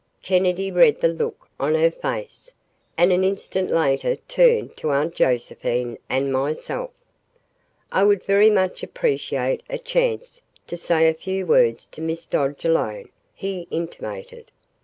Kennedy read the look on her face, and an instant later turned to Aunt Josephine and myself. "I would very much appreciate a chance to say a few words to Miss Dodge alone," he intimated.